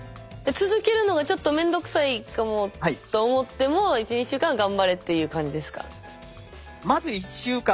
続けるのがちょっと面倒くさいかもと思っても１２週間は頑張れっていう感じですか。